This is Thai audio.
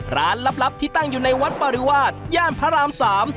ลับที่ตั้งอยู่ในวัดปริวาสย่านพระรามสาม